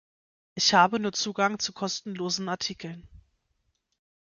Ich habe nur Zugang zu kostenlosen Artikeln.